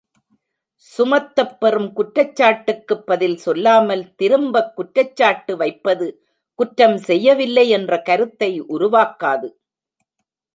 சுமத்தப் பெறும் குற்றச்சாட்டுக்குப் பதில் சொல்லாமல் திரும்ப குற்ற்ச்சாட்டு வைப்பது குற்றம் செய்யவில்லை என்ற கருத்தை உருவாக்காது.